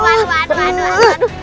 aduh aduh aduh